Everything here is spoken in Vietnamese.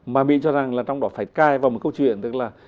mà mỹ cho rằng là trong đó phải cai vào một câu chuyện tức là